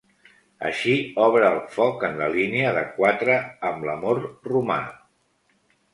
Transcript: Així, obre el foc en la línia de quatre amb l'amor romà.